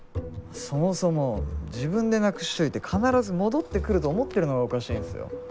そもそも自分でなくしといて必ず戻ってくると思ってるのがおかしいんすよ。